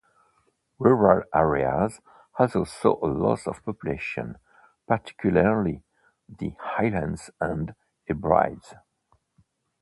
Rural areas also saw a loss of population, particularly the Highlands and Hebrides.